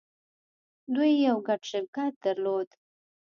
دوی يو ګډ شرکت درلود.